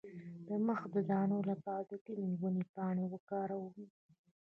د مخ د دانو لپاره د کومې ونې پاڼې وکاروم؟